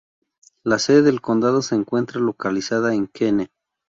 La sede del condado se encuentra localizada en Keene.